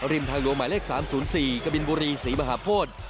ริมทางหลวงหมายเลข๓๐๔กบินบุรีศรีมหาโพธิ